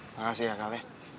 aduh makasih ya kakak